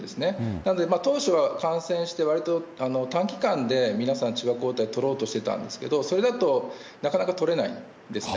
なので、当初は、感染してわりと短期間で皆さん、中和抗体採ろうとしていたんですけれども、それだと、なかなか採れないんですね。